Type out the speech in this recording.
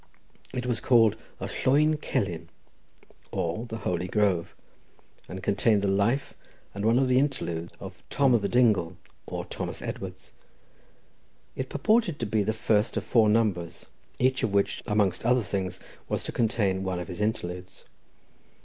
It was called Y Llwyn Celyn, or the Holly Grove, and contained the life and one of the interludes of Tom O' the Dingle, or Thomas Edwards. It purported to be the first of four numbers, each of which, amongst other things, was to contain one of his interludes.